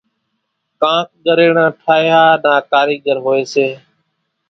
ڪانڪ ڳريڻان ٺاۿيا نا ڪاريڳر هوئيَ سي۔